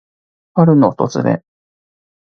春の訪れ。